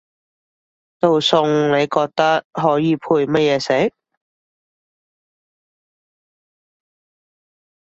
道餸你覺得可以配乜嘢食？